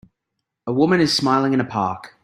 A woman is smiling in a park